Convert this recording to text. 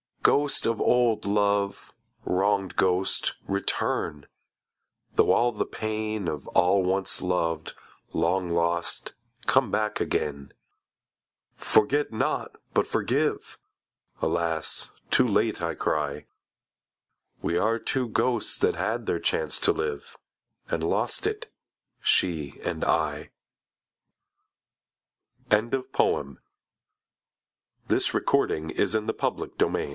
Ghost of old love, wronged ghost, Return, though all the pain Of all once loved, long lost, Come back again. Forget not, but forgive! Alas, too late I cry. We are two ghosts that had their chance to live, And lost it, she and I. SECOND THOUGHTS. WHEN you were here, ah foolish then!